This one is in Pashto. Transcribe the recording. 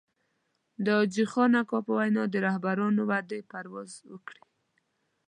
د حاجي خان اکا په وينا د رهبرانو وعدې پرواز وکړي.